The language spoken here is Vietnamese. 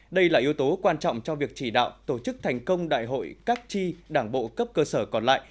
đây là yếu tố quan trọng cho việc chỉ đạo tổ chức thành công đại hội các tri đảng bộ cấp cơ sở còn lại